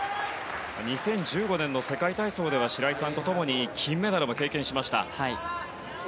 ２０１５年の世界体操では白井さんと共に金メダルも経験しました。